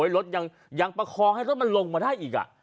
รถยังประคองให้รถมันลงมาได้อีก